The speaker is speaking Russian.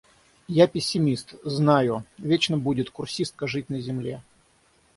Я – пессимист, знаю — вечно будет курсистка жить на земле.